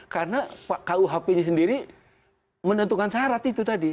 karena kuhp nya sendiri menentukan syarat itu tadi